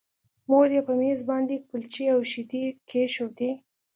مور یې په مېز باندې کلچې او شیدې کېښودې